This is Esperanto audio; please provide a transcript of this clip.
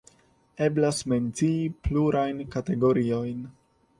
Eblas mencii plurajn kategoriojn.